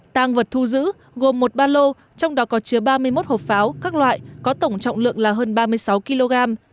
tăng vật thu giữ gồm một ba lô trong đó có chứa ba mươi một hộp pháo các loại có tổng trọng lượng là hơn ba mươi sáu kg